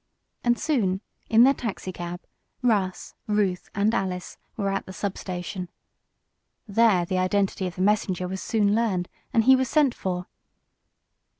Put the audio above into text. And soon, in their taxicab Russ, Ruth and Alice were at the sub station. There the identity of the messenger was soon learned, and he was sent for.